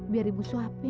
biar ibu suapin